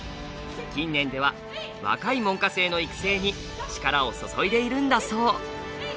近年では若い門下生の育成に力を注いでいるんだそう。